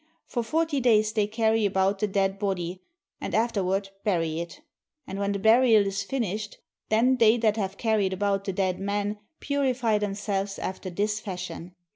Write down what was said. For forty days they carry about the dead body and afterward bury it. And when the burial is finished, then they that have carried about the dead man, purify themselves after this fashion.